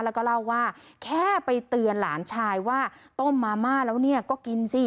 แล้วก็เล่าว่าแค่ไปเตือนหลานชายว่าต้มมาม่าแล้วเนี่ยก็กินสิ